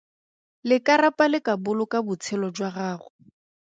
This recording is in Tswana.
Lekarapa le ka boloka botshelo jwa gago.